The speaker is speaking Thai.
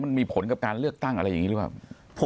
มันมีผลกับการเลือกตั้งอะไรอย่างนี้หรือเปล่า